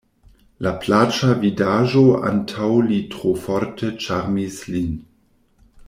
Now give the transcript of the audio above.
La plaĉa vidaĵo antaŭ li tro forte ĉarmis lin.